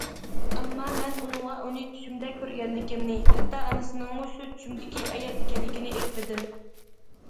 ئەمما مەن ئۇنىڭغا ئۇنى چۈشۈمدە كۆرگەنلىكىمنى، ھەتتا ئانىسىنىڭمۇ شۇ چۈشۈمدىكى ئايال ئىكەنلىكىنى ئېيتمىدىم.